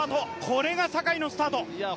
これが坂井のスタート。